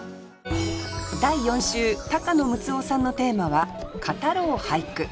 第４週高野ムツオさんのテーマは「語ろう！俳句」。